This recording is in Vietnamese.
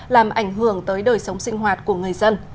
làm ảnh hưởng tới đời sống sinh hoạt của người dân